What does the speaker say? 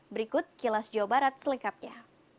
berikut kilas jawa barat selengkapnya